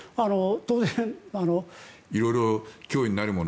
色々、脅威になるもの